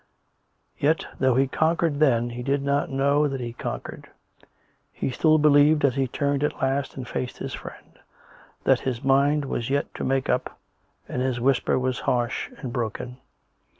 Yet, though he conquered then, he did not know that he conquered. He still believed, as he turned at last and faced his friend, that his mind was yet to make up, and his whisper was harsh and broken.